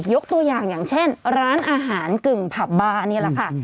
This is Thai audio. ยกตัวอย่างอย่างเช่นร้านอาหารกึ่งผับบานี่แหละค่ะ